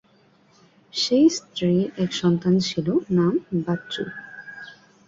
সেই স্ত্রীর এক সন্তান ছিল, নাম বাচ্চু।